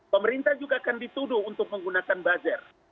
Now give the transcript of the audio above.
pemerintah juga akan dituduh untuk menggunakan buzzer